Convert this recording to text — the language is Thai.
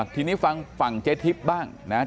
ทีนี้ฟังเจ็ดทริปบ้างนะครับ